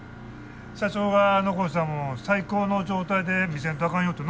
社長が残したもんを最高の状態で見せんとあかんよってな。